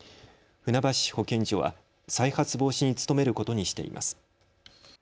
船橋市保健所は再発防止に努めることにしています。